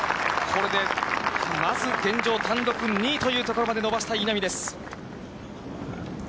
これでまず現状、単独２位というところまで伸ばした稲見です。